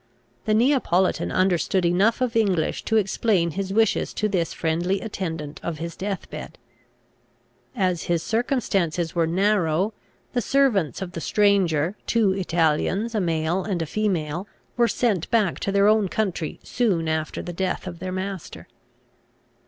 The Neapolitan understood enough of English to explain his wishes to this friendly attendant of his death bed. As his circumstances were narrow, the servants of the stranger, two Italians, a male and a female, were sent back to their own country soon after the death of their master.